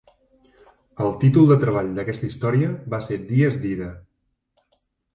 El títol de treball d'aquesta història va ser Dies d'ira.